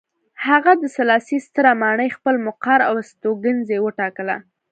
هغه د سلاسي ستره ماڼۍ خپل مقر او استوګنځی وټاکله.